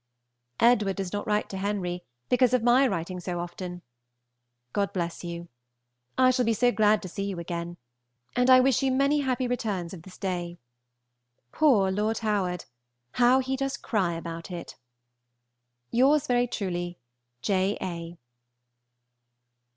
Edward does not write to Henry, because of my writing so often. God bless you. I shall be so glad to see you again, and I wish you many happy returns of this day. Poor Lord Howard! How he does cry about it! Yours very truly, J. A.